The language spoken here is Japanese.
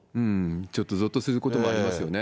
ちょっとぞっとすることもありますよね。